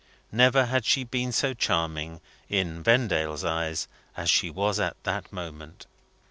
Never had she been so charming, in Vendale's eyes, as she was at that moment.